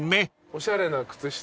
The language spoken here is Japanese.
おしゃれな靴下